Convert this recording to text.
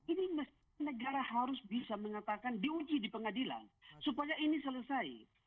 ini mesti negara harus bisa mengatakan diuji di pengadilan supaya ini selesai